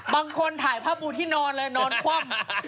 บางคนถ่ายภาพปูที่นอนเลยนอนคว่ำ